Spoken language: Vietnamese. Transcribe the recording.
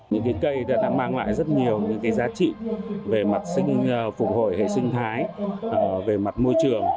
những cây đã mang lại rất nhiều những giá trị về mặt phục hồi hệ sinh thái về mặt môi trường